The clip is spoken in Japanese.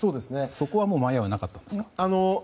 そこは迷いはなかったですか？